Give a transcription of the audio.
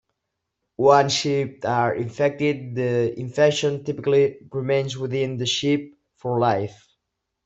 Once sheep are infected, the infection typically remains within the sheep for life.